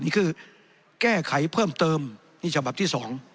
นี่คือแก้ไขเพิ่มเติมนี่ฉบับที่๒